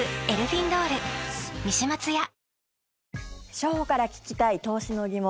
初歩から聞きたい投資の疑問。